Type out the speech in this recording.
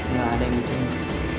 nggak ada yang diterima